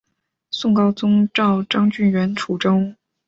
宋高宗诏张俊援楚州。